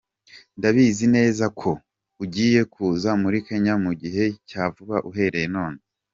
Ndabizi neza ko ugiye kuza muri Kenya mu gihe cya vuba uhereye none.